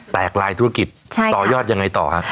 ลายธุรกิจต่อยอดยังไงต่อครับ